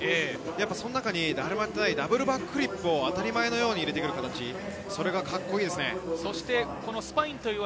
誰もやってないダブルバックフリップを当たり前のように入れてくる、それがカッコいいですね。